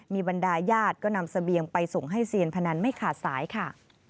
มีบรรดาญาติก็นำเสบียงไปส่งให้เซียนพนันไม่ขาดสายค่ะ